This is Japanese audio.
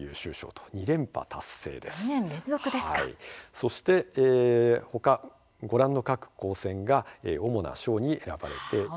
そしてほかご覧の各高専が主な賞に選ばれています。